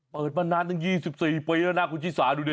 เปิดมานานตั้ง๒๔ปีแล้วนะคุณชิสาดูดิ